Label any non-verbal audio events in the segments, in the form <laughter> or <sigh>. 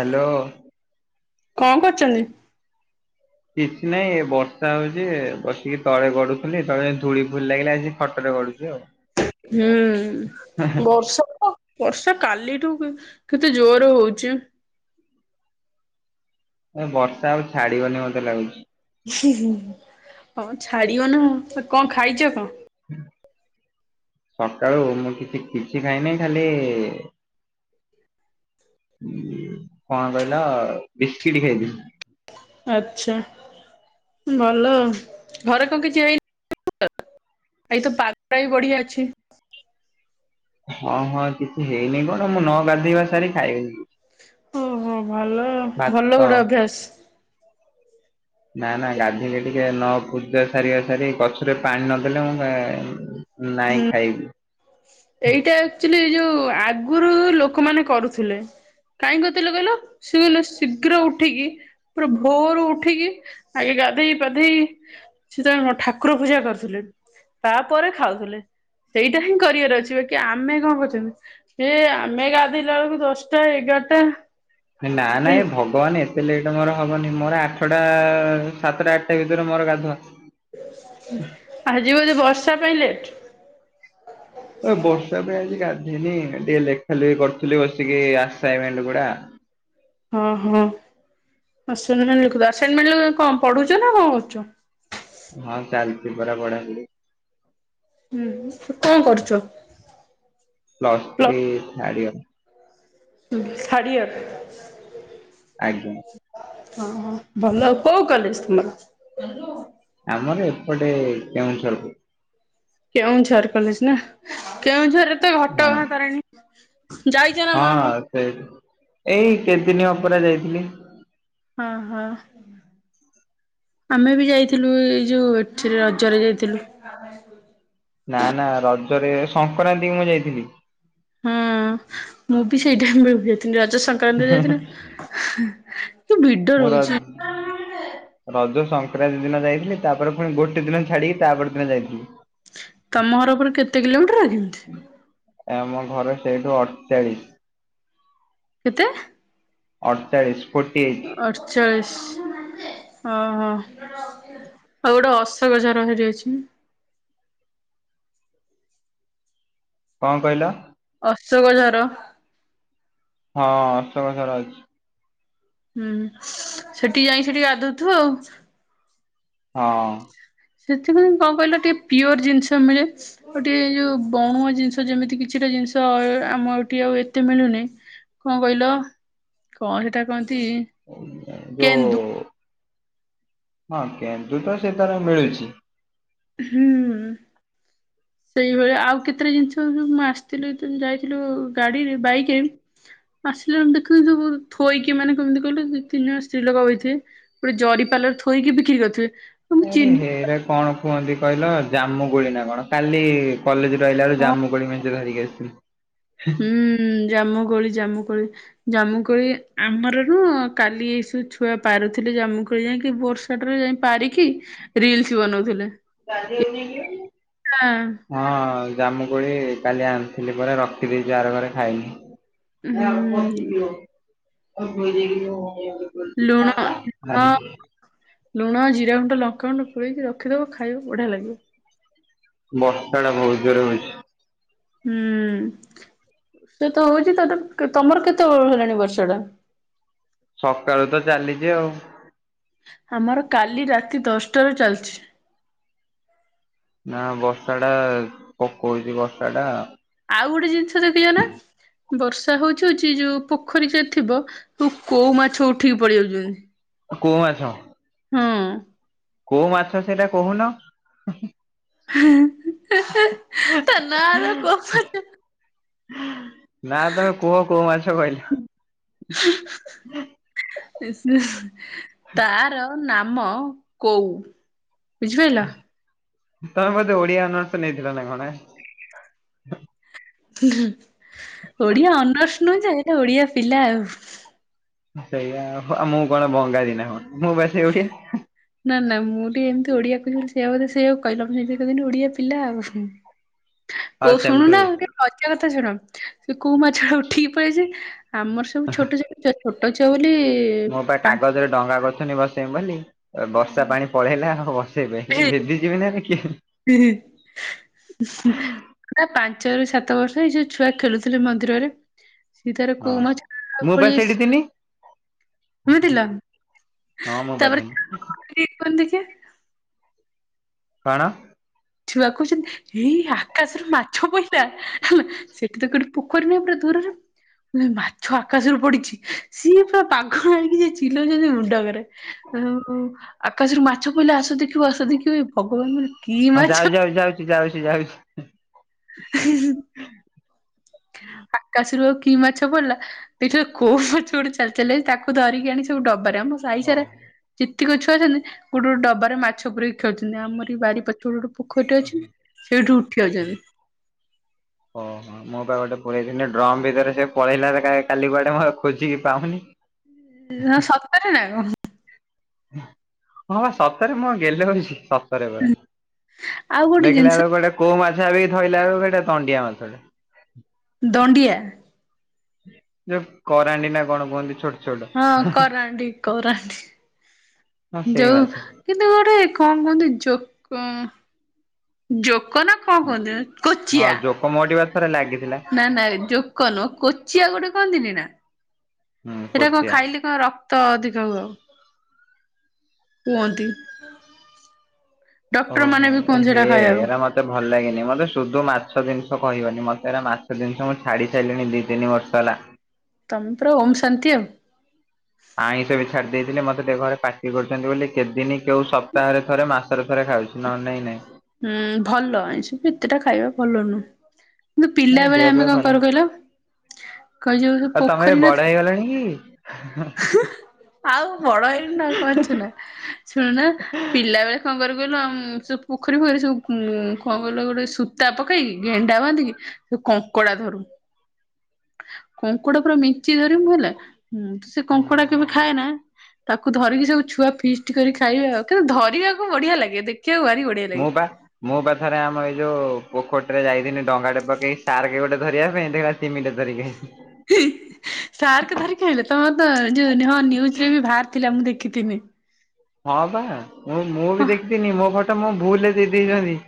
Hello. କଣ କରୁଚନ୍ତି? କିଛି ନାହିଁ ବର୍ଷା ହୋଉଚି। ବସିକି ତଳେ ଗଡୁଥିଲି। ତଳେ ଧୂଳି ଫୁଳି ଲାଗିଲା ଯେ ଖଟରେ ଗଡୁ - ଜିଓ। ହୁଁ ବର୍ଷାତ ବର୍ଷା କାଲିଠୁ କେତେ ଜୋରେ ହୋଉଚି। ଏ ବର୍ଷା ଆଉ ଛାଡ଼ିବନି ମତେ ଲାଗୁଚି। ହଁ ଛାଡିବ ନା ଆଉ। କଣ ଖାଇଚ କଣ? ସକାଳୁ ମୁଁ କିଛି କିଛି ଖାଇନାଇ ଖାଲି କଣ କହିଲ ବିସ୍କିଟି ଖାଇବି ଆଚ୍ଛା ଭଲ ଘରେ କଣ କିଛି ହେଇନି? ଆଜି ତ ପାଗ ଟା ବି ବଢିଆ ଅଛି। ହଁ ହଁ କିଛି ହେଇନି କଣ ମୁଁ ନ ଗାଧେଇବା ସାରି ଖାଇବନିି। ଓହୋ ଭଲ ଭାତ ଭଲ ଗୋଟେ ଅଭ୍ୟାସ। ନା ନା ଗାଧୋଇଲେ ଟିକେ ନ ପୂଜା ସାରିବା ସାରି ଗଛରେ ପାଣି ନଦେଲେ ମୁଁ ନାଇଁ ହୁଁ। ଖାଇବି। ଏଇଟା ଆକ୍ଚଲି ଯୋଉ ଆଗରୁ ଲୋକମାନେ କରୁଥିଲେ। କାଇଁ କରୁଥିଲେ କହିଲ ସେ କହିଲେ ଶୀଘ୍ର ଉଠିକି ପୁରା ଭୋରୁ ଉଠିକି ଆଗେ ଗାଧେଇ ପାଧେଇ ସେତବେଳେ କଁ ଠାକୁର ପୂଜା କରୁଥିଲେ ତାପରେ ଖାଉ ଥିଲେ ସେଇଟା ହିଁ କରିବାର ଅଛି ବାକି ଆମେ କଣ କରୁଛନ୍ତି ଏ ଆମେ ଗାଧୋଇଲା ବେଳକୁ ଦଶଟା ଏଗାରଟା ହେ ନା ନା ଏଇ ଏ ଭ କହନି ଏତେ ଲେଟ୍ ମୋର ହବନି ମୋର ଆଠଟା ସାତଟା ଆଠଟା ଭିତରେ ମୋର ଗାଧୁଆ। ଆଜିି ବୋଧେ ବର୍ଷା ପାଇଁ ଲେଟ୍? ଏ ବର୍ଷା ପାଇଁ ଆଜି ଗାଧେଇନି ଟିକେ ଲେଖା ଲେଖି କରୁଥିଲି ବସିକି ଆସଇନମେଣ୍ଟ ଗୁଡା। ହଁ ହଁ ଆସଇନମେଣ୍ଟ ଲେଖୁଥିଲ ଆସାଇନମେଣ୍ଟ କଣ ପଢୁଛ ନା କଣ କରୁଛ? ହଁ ଚାଲିଛି ପରା ପଢା ପଢି। ହଁ କଣ କରୁଛ? ପ୍ଲସ୍ ପ୍ଲ ଥ୍ରୀ ଥାର୍ଡ ଇଅର। ହଁ ଥାର୍ଡ ଇଅର? ଆଜ୍ଞା। ହଁ ହଁ ଭଲ ଆଉ କୋଉ କଲେଜ ତମର? <inaudible> ଆମର ଏପଟେ କେଉଁଝରକୁ କେଉଁଝର କଲେଜ ନା କେଉଁଝରରେ ତ ଘଟ ହଁ ଗାଁ ତାରେଣୀ ହଁ ସେଇଠି ଏଇ କେତେଦିନ ହବ ପରା ଯାଇଥିଲି। ହଁ ହଁ। ଆମେ ବି ଯାଇଥିଲୁ ଏଇ ଯୋଉ ଏଠିରେ ରଜରେ ଯାଇଥିଲୁ। <inaudible> ନା ନା ରଜରେ ସଂକ୍ରାନ୍ତି କି ମୁଁ ଯାଇଥିଲି। ହଁ ମୁଁ ବି ସେଇ ଟାଇମରେ ଯାଇଥିଲି ରଜ ସଂକ୍ରାନ୍ତି ଯାଇଥିଲି। କି ଭିଡ ମୋର ରହୁଛି ରଜ ସଂକ୍ରାନ୍ତି ଦିନ ଯାଇଥିଲି ତାପରେ ପୁଣି ଗୋଟେ ଦିନ ଛାଡିକି ତାପରେ ଦିନ ଯାଇଥିଲି। ତମ ଘର ଉପରେ କେତେ କିଲୋମିଟର କି? ଆମ ଘର ସେଇଠୁ ଅଠଚାଳିଶ। କେତେ? ଅଠଚାଳିଶ ଫୋର୍ଟି ଏଇଟ। ଅଠଚାଳିଶ ଓହୋ। ଆଉ ଗୋଟେ ଅଶୋକଝର ସେଠି ଅଛି। କଣ କହିଲ? ଅଶୋକ ଝର। ହଁ ଅଶୋକ ଝର ଅଛି। ହୁଁ ସେଠି ଯାଇ ସେଠି ଗାଧଉଥିବୁ ଆଉ। ହଁ। ସେଥିପାଇଁ କଣ କହିଲ ଟିକେ ପିଓର ଜିନିଷ ମିଳେ। ଗୋଟିଏ ଏଯୋଉଁ ବଣୁଆ ଜିନିଷ ଯେମିତି କିଛିଟା ଜିନିଷ ଆମ ଏଠି ଆଉ ଏତେ ମିଳୁନି। କଣ କହିଲ କଣ ସେଟା କହନ୍ତି? ଏ କେନ୍ଦୁ ଯୋଉଁ ହଁ କେନ୍ଦୁ ତ ସେଠାର ମିଳିଛି। ହୁଁ। ସେଇଭଳିଆ ଆଉ କେତେଟା ଜିନିଷ ମୁଁ ଆସିଥିଲି ତ ଯାଇଥିଲୁ ଗାଡିରେ ବାଇକ୍ ଆସିଲା ଦେଖିଲୁ ଥୋଇକି ମାନେ କେମିତି କହିଲୁ ଦି ତିନି ଜଣ ସ୍ତ୍ରୀ ଲୋକ ବସିଥିବେ। ଗୋଟେ ଜରି ପାଲରେ ଥୋଇକି ବିକ୍ରି କରୁଥିବେ। ଆରେ ହେରା କଣ କୁହନ୍ତି କହିଲ ଜାମୁ କୁଳି ନାଁ କଣ କାଲି କଲେଜ୍ ରୁ ଆଇଲା ବେଳେ ହଁ ଜାମୁ କୁଳି ମନ୍ଞ୍ଚେ ଧରିକି ଆସିଥିଲି। ହୁଁ ଜାମୁ କୋଳି ଳି ଜାମୁ କୋଳି। ଜାମୁକୁଳି ଆମର ନୁ କାଲି ଏ ଛୁଆ ପାରୁଥିଲେ ଜାମୁକୁଳି ଯାଇକି ବର୍ଷ ସେଠାରେ ଯାଇ ପାରିକି ରିଲସ୍ ବନଉଥିଲେ। ଗାଧେବୁ ନିକି କି? ଏଟା ହଁ ଜାମୁ କୋଳି କାଲି ଆଣିଥିଲି ପରା ରଖିଦେଇଛି ଆର ଘରେ ଖାଇନି। ହୁଁ <inaudible> ଲୁଣ ହ ଲୁଣ ଜିରା ଗୁଣ୍ଡ ଲଙ୍କା ଗୁଣ୍ଡ ଗୋଳେଇକି ରଖି ଦବ ବଢ଼ିଆ ଲାଗିବ। ବର୍ଷା ଟା ବହୁତ୍ ଜୋରେ ହୋଉଛି। ହୁଁ ସେ ତ ହୋଉଛି ତ ତମର କେତଳୁ ହେଲାଣି ବର୍ଷା ଟା? ସକାଳୁ ତ ଚାଲିଛି ଆଉ। ଆମର କାଲି ରାତି ଦଶଟାରୁ ଚାଲଛି। ନା ବର୍ଷା ଟା ପକଉଛି ବର୍ଷା ଟା ଆଉ ଗୋଟେ ଜିନିଷ ଦେଖିଚ ନାଁ? ବର୍ଷା ହୋଉଛି ହୋଉଛି ଯୋଉଁ ପୋଖରୀ ଯୋଉଁ ଥିବ ତ କୋଉ ମାଛ ଉଠିକି ପଳେଇଆଉଛନ୍ତି। କୋଉ ମାଛ। ହଁ। କୋଉ ମାଛ ସେଇଟା କହୁନ? ତା ନା ହେଲା କୋଉ ମାଛ। ନା ତମେ କୁହ କୋଉ ମାଛ କହିଲ। <inaudible> ତାର ନାମ କୋଉ। ବୁଜିପାଇଲ? ତମେ ବୋଧେ ଓଡିଆ ଅନର୍ସ ନେଇଥିଲା ନା କଣ? ଓଡିଆ ଅନର୍ସ ନୁହେଁ ଯେ ଓଡିଆ ପିଲା ଆଉ। ସେୟା ଆଉ ମୁଁ କଣ ବଙ୍ଗାଳି ନା କଣ ମୁଁ ପା ସେଇ ଓଡ଼ିଆ। ନା ନା ମୁଁ ଟିକେ ଏମିତି ଓଡିଆ କହୁଛି ବୋଲି ସେୟ ବୋଧେ ସେୟା କହିଲ ସେମତି କହି ଓଡିଆ ପିଲା ଆଉ। ଆଉ କୋଉ ଶୁଣୁ ସେମିତି ନା ମଜା କଥା ଶୁଣ ସେ କୋଉ ମାଛ ଉଠିକି ପଳି ଆସିବେ। ଆମର ସବୁ ଛୋଟ ଛୋଟ ଛୁଆ ଛୋଟ ଛୁଆ ବୋଲି ମୁଁ ପା କାଗଜରେ ଡଙ୍ଗା କରୁଥୁନି ବସେଇମି ବୋଲି ବର୍ଷା ପାଣି ପଳେଇଲା ଆଉ ବସେଇଲିନି ଭିଦି ଯିବିନି ମାନେ କଲେ। ହିଁ ହିଁ। ପୁରା ପାଞ୍ଚରୁ ସାତ ବର୍ଷ ଏଇ ଯୋଉ ଛୁଆ ଖେଳୁଥିଲେ ମନ୍ଦିରରେ। ସିଏ ତାର ହଁ, କୋଉ ମାଛ ମୁଁ ପା ପଳେଇ ଆସିଛି ସେଇଠି ଥିଲି। ବୁଝିଲ ହଁ ମ <unintelligible> କିଏ କୁହନି ଦେଖିଆ? କଣ? ଛୁଆ କହୁଛନ୍ତି ହେ ଆକାଶରୁ ମାଛ ପହିଲା। ସେଠି ତ କୋଉଠି ପୋଖରୀ ନାହିଁ ପୁରା ଦୂରରେ। ନାଇଁ ମାଛ ଆକାଶରୁ ପଡିଛି ସିଏ ପୁରା ପାଗଳ ହେଇକି ଯେ ଚିଲଉଛନ୍ତି ମୁଣ୍ଡଖରାପ। ଉ ଆକାଶରୁ ମାଛ ପଇଲା ଆସ ଦେଖିବ, ଆସ ଦେଖିବ ହେ ଭଗବାନ ମାନ ହଁ ଯାଉ ଯାଉ ଯାଉଛି ଯାଉଛି ଯାଉଛି। ହିଁ ହିଁ। ଆକାଶରୁ ଆଉ କି ମାଛ ପଡିଲା? ଦେଖିଲାବେଳକୁ କୋଉ ମାଛ ଗୋଟେ ଚାଲି ଚାଲି ଆଇଛି, ତାକୁ ଧରିକି ଆଣି ସବୁ ଡବାରେ ଆମ ସାାଇ ହଉ। ସାରା ଯେତିକ ଛୁଆ ଅଛନ୍ତି ଗୋଟେ ଗୋଟେ ଡବାରେ ମାଛ ପୁରେଇକି ଖେଳୁଛନ୍ତି। ଆମର ଏଇ ବାରି ପଛପଟେ ଗୋଟେ ପୋଖରୀଟେ ଅଛି ସେଇଠୁ ଉଠିଆଉଛନ୍ତି। ହ ହ। ହଁ ମୁଁ ପା ଗୋଟେ ପୁରେଇଥିଲି ଡ୍ରମ୍ ଭିତରେ। ସେ ପଳେଇଲା କାଲି କୁଆଡେ ମୁଁ ଆଉ ଖୋଜିକି ପାଉନି। ହୁଁ ସତରେ ନା କଣ? ହଁ ବା ସତରେ। ମୁଁ ଗେଲ ହଉଛି? ସତରେ ପରା। ଆଉ ଗୋଟେ ଦେଖିଲା ଜିନିଷ ବେଳକୁ ଗୋଟେ କୋଉ ମାଛ ଭାବିକି ଧଇଲା ବେଳକୁ ହେଇଟା ଦଣ୍ଡିଆ ମାଛଟା। ଦଣ୍ଡିଆ? ଯୋଉ କରାଣ୍ଡି ନା କଣ କୁହନ୍ତି ଛୋଟ ଛୋଟ ହଁ କରାଣ୍ଡି, କରାଣ୍ଡି। ହଁ ସେଇ ଯୋଉ ମାଛ। କିନ୍ତୁ ଗୋଟେ କଣ କୁହନ୍ତି ଜୋକ, ଜୋକ ନା କଣ କୁହନ୍ତି ହଁ କୋଚିଆ। ଜୋକ ମୋଠି ବା ଥରେ ଲାଗିଥିଲା ନା ନା ଏ ଯୋକ ନୁହଁ। କୋଚିଆ ଗୋଟେ କୁହନ୍ତିନି ନା? ହୁଁ ହେଇଟା କଣ କୋଚିଆ। ଖାଇଲେ କଣ ରକ୍ତ ଅଧିକ ହବ। କୁହନ୍ତି। ଡକ୍ଟର ମାନେ ବି କୁହନ୍ତି ସେଟା ଖାଇବାକୁ। ମୋତେ ଭଲ ଲାଗେନି। ମୋତେ ସୁଧୁ ମାଛ ଜିନିଷ କହିବନି। ମୋତେ ହେରା ମାଛ ଜିନିଷ ମୁଁ ଛାଡ଼ି ସାରିଲଣି ଦି ତିନି ବର୍ଷ ହେଲା। ତମେ ପୁରା ଓମ୍ ଶାନ୍ତି ଆଉ। ଆଇଁଷ ବି ଛାଡି ଦେଇଥିଲି ମତେ ଟିକେ ଘରେ ପାଟି କରୁଛନ୍ତି ବୋଲି କେତେଦିନି କେଉ ସପ୍ତାହରେ ଥରେ ମାସ ଥରେ ଥରେ ଖାଉଛି। ନହେଲେ ନାଇଁ ନାଇଁ। ହୁଁ ଭଲ। ଆଉଁଷ ବି ଏତେଟା ଖାଇବା ଭଲ ନୁହଁ। ପିଲା ଏ ବେଳେ ଦେହ ଆମେ ଫେହ କଣ ଖରାପ କରୁ କହିଲ? ତାଙ୍କର ଯୋଉ ଆଉ ତମେ ପୋଖରୀ ନ ବଡ ହେଇଗଲଣି କି? ଥିଲା? ଆଉ ବଡ ହେଇଗଲୁଣୁ ଆଉ କଣ ଅଛୁ ନା? ଶୁଣୁନ, ପିଲାବେଳେ କଣ କରିବୁ କହିଲ ଉଁ ସେ ପୋ ପୋଖରୀ ଫୋଖରୀ ସବୁ ଉଁ କଣ କହିଲ ଗୋଟେ ସୂତା ପକେଇକି, ଗେଣ୍ଡା ବାନ୍ଧିକି କଙ୍କଡ଼ା ଧରୁ। କଙ୍କଡା ପୁରା ମେଞ୍ଚେ ଧରିବୁ ହେଲା। ମୁଁ ସେ କଙ୍କଡା କେବେ ଖାଏନା। ତାକୁ ଧରିକି ସବୁ ଛୁଆ ଫିଷ୍ଟ କରି ଖାଇବେ ଆଉ। କିନ୍ତୁ ଧରିବାକୁ ବଢିଆ ଲାଗେ ଦେଖିବାକୁ ଭାରି ବଢିଆ। ମୋ ଲାଗେ। ବା ମୁଁ ବା ଥରେ ଆମ ଏଇ ଯଉ ପୋଖରୀଟିରେ ଯାଇଥିନି ଡଙ୍ଗାଟେ ପକେଇ ସାର୍କ ଗୋଟେ ଧରିବା ପାଇଁ ଦେଖିଲା ତିମିଟେ ଧ ଧରିକି ଆଇଥି ସାର୍କ ଧରିକି ଆଇଲ। ତମର ତ ଯୋଉ ହଁ ନ୍ୟୁଜରେ ବି ବାହାରି ଥିଲା ମୁଁ ଦେଖିଥିନି। ହଁ ବା ମୁଁ ମୁଁ ବି ହଁ ଦେଖିଥିନି। ମୋ ଫଟୋ ମୁଁ ଭୁଲରେ ଦେଇ ଦେଇଛନ୍ତି।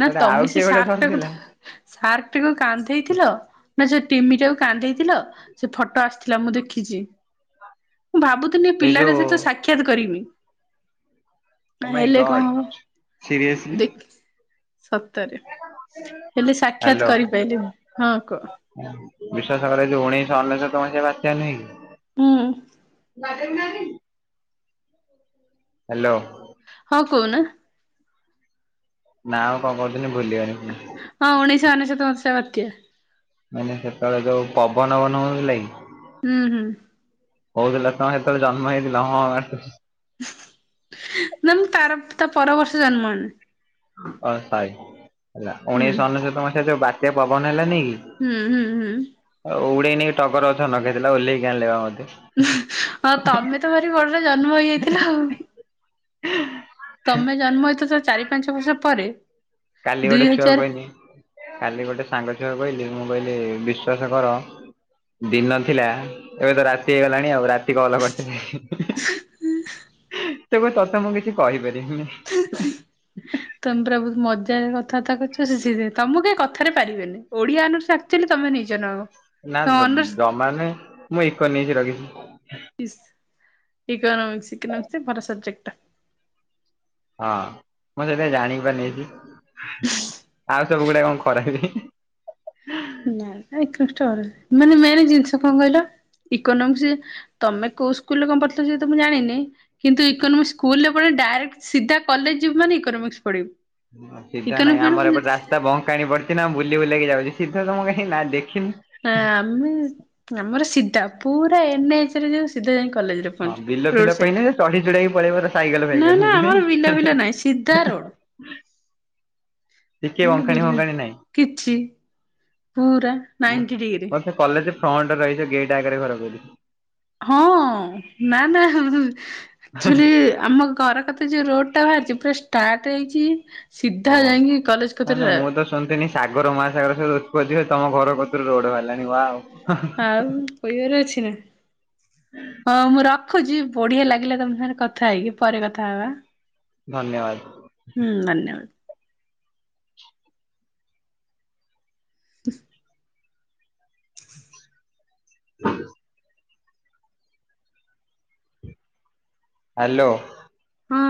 ନା ସେଟା ଆଉ ତମେ ସେ କିଏ ଗୋଟେ ସାର୍କ ଟାକୁ ଧରିଥିଲା ଧ ସାର୍କ ଟାକୁ କାନ୍ଧେଇଥିଲ? ନା ସେ ଟିମି ଟାକୁ କାନ୍ଧେଇଥିଲ ସେ ଫଟୋ ଆସିଥିଲା ମୁଁ ଦେଖିଚି ମୁଁ ଭାବୁ ଥିଲି ଏଇ ଯୋଉ ପିଲାଟା ସହିତ ସାକ୍ଷାତ୍ କରିବି। Oh my god. ସିରିଏସଲି। ଦେଖ୍ ସତରେ। ହେଲେ ସାକ୍ଷାତ୍ କରିପାଇଲିନି- ହଁ କୁହ। ବିଶ୍ଵାସ କର ଯଉ ଉଣେଇଶ ଅନେଶତ ମସିହା ବାତ୍ୟା ନୁହେଁ କି ହୁଁ। <inaudible> ଓ <inaudible> ହାଲୋ। ହଁ କହୁନ। ନା ଆଉ କଣ କହୁଥିଲି ଭୁଲିଗଲି। ପୁଣି। ହଁ ଉଣେଇଶ ଅନେଶତ ମସିହା ବାତ୍ୟା। ମାନେ ସେତେବେଳେ ଯଉ ପବନ ଫବନ ହଉ ନଥିଲା କି ହୁଁ ହୁଁ। ହଉଥିଲା ତମେ ହେତେବେଳେ ଜନ୍ମ ହେଇଥିଲ ହଁ ମାରିଦଉଚ୍। ନା ତାର -ତା ପର ବର୍ଷ ଜନ୍ମ ହେଲି। ଅ- ସରି ହେଲା ହୁଁ ଉଣେଇଶ ଅନେଶତ ମସିହା ଯଉ ବାତ୍ୟା ପବନ ହେଲାନି କି? ହୁଁ ହୁଁ। ହୁଁ। ଆଉ ଉଡେଇ ନେଇକି ଟଗର ଗଛ ନଗେଇଥିଲା ଓହ୍ଲେଇକି ଆଣିଲେ ବା ମତେ। ହଁ ତମେ ତ ଭାରି <unintelligible> ଜନ୍ମ ହେଇଯାଇଥିଲ ଆଉ। ତମେ ଜନ୍ମ ହେଇଥିବ ତ ଚାରି ପାଞ୍ଚ ବର୍ଷ ପରେ କାଲି ଦୁଇ ଗୋଟେ ଛୁଆକୁ ହଜାର କହିଲି କାଲି ଗୋଟେ ସାଙ୍ଗ ଛୁଆକୁ କହିଲି ମୁଁ କହିଲି ବିଶ୍ଵାସ କର ଦିନ ଥିଲା ଏବେ ତ ରାତି ହେଇଗଲାଣି ଆଉ ରାତି କଲ୍ କରି <unintelligible> ସେ କହୁଚି ତତେ ମୁଁ କିଛି କହିପାରିବିନିି। ତମେ ପୁରା ବହୁତ୍ ମଜାରେ କଥାବାର୍ତ୍ତା କରୁଚ ସିଏ ସେଥିପାଇଁ ତମକୁ କେହି କଥାରେ ପାରିବେନି ଓଡିଆ ଅନର୍ସ ଥିଲେ ତମେ ନିଜ <unintelligible> ନା ଜମା ନାଇଁ ମୁଁ ଇକୋନୋମିକ ନେଇକି ରଖିଚି। ଇସ୍ ଇକୋନୋମିକ୍ସ-ଇକୋନୋମିକ୍ସ ଭଲ ସବଜେକ୍ଟ୍ ଟା। ହଁ ମୁଁ ସେଥିପାଇଁ ଜାଣି ପାରିନି ଆଉ ସବୁ ଗୁଡା କଣ ଖରାପ୍ କି? <unintelligible> ମାନେ ମେନ୍ ଜିନିଷ କଣ କହିଲ ଇକୋନୋମିକ୍ସ ତମେ କଉ ସ୍କୁଲରେ କଣ ପଢୁଥିଲ ସେ ତ ମୁଁ ଜାଣିନି କିନ୍ତୁ ଇକୋନୋମିକ୍ସ ସ୍କୁଲ୍ ରେ ପଢି ଡାଇରେକ୍ଟ୍ ସିଧା କଲେଜ୍ ଯିବୁ ମାନେ ଇକୋନୋମିକ୍ସ୍ ପଢିବୁ। ସିଧା ନାହିଁ ଆମର ଏପଟ ଇକୋନୋମିକ୍ସ ରାସ୍ତା ବଙ୍କାଣି ପଡିଚି ନା ବୁଲି ବୁଲାକି ଯାଉଚି ସିଧାତ ମୁଁ କାଇଁ ନାଁ ଦେଖିନି। ନା ଆମେ- ଆମର ସିଧା ପୁରା ଏନେ ଏଚ୍ ରେ ଯଉ ସିଧା ଯାଇ ହଁ ବିଲ ଫିଲ ପାଇଁ କଲେଜେରେ। ନୁହେଁ ଚଢି ଚଢିକି ପଳେଇବ ସାଇକେଲ ଫାଇକେଲ ନା ନା ଆମର ବିଲ ନେଇକି। ବିଲ ନାହିଁ ସିଧା ରୋଡ୍। ଟିକେ ଆମର ଅଙ୍କାଣି ବିଲ ଫଙ୍କାଣି ନାଇଁ? କିଛି। ପୁରା। ନାଇଣ୍ଟି ଡିଗ୍ରୀ ମୋ ସେ କଲେଜେ ଫ୍ରଣ୍ଟ୍ ରେ ରହିବି ଗେଟେ ଆଗରେ ଘର କରିବି। ହଁ ନା- ନା ଆକ୍ଚୁଲି ଆମ ଘର ପାଖେରେ ଯଉ ରୋଡ୍ ଟା ବାହାରିଚି ପୁରା ଷ୍ଟାର୍ଟ ହେଇଚି ଓ। ସିଧା ଯାଇକି ନା କଲେଜ୍ କତିରେ <unintelligible> ସାଗର ମହାସାଗର ସବୁ ଉତ୍ପତ୍ତି ହୁଏ ତମ ଘର କତିରୁ ରୋଡ ବାହାରିଲାଣି ୱାଓ। ଆଉ କହିବାର ଅଛି ନା, ହଁ ମୁଁ ର ରଖୁଛି ବଢିଆ ଲାଗିଲା ତମ ସାଙ୍ଗରେ କଥା ହେଇକି, ପରେ କଥା ହବା। ଧନ୍ୟବାଦ। ହୁଁ ଧନ୍ୟବାଦ। ହ ହଜ୍ ହ୍ୟାଲୋ। ହଁ।